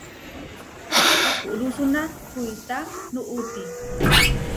Akurúsuna kuitá nuʼúti.